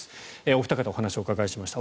お二方にお話をお伺いしました。